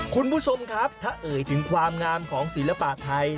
คุณผู้ชมครับถ้าเอ่ยถึงความงามของศิลปะไทย